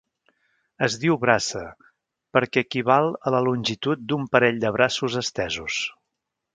Es diu braça, perquè equival a la longitud d'un parell de braços estesos.